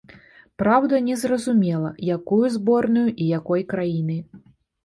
Праўда, незразумела, якую зборную і якой краіны.